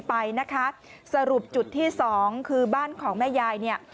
ไปนะคะสรุปจุดที่๒คือบ้านของแม่ยาย